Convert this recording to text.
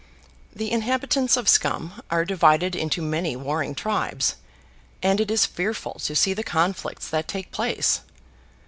The inhabitants of Scum are divided into many warring tribes, and it is fearful to see the conflicts that take place.